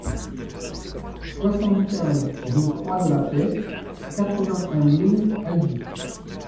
soixante-quinze rue Croix de la Paix, quatre-vingt-un mille Albi